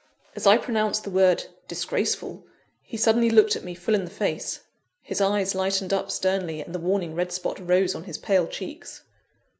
As I pronounced the word "disgraceful," he suddenly looked me full in the face. His eyes lightened up sternly, and the warning red spot rose on his pale cheeks.